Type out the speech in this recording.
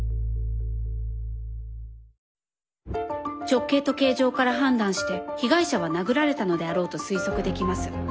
直径と形状から判断して被害者は殴られたのであろうと推測できます。